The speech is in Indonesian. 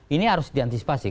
ini harus diantisipasi